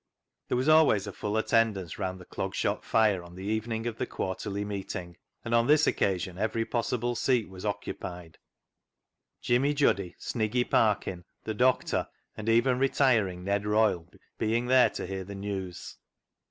There was always a full attendance round the Clog Shop fire on the evening of the Quarterly Meeting, and on this occasion every possible seat was occupied. Jimmy Juddy, Sniggy Parkin, the Doctor, and even retiring Ned Royle, being there to hear the news.